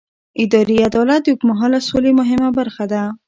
اداري عدالت د اوږدمهاله سولې مهمه برخه ده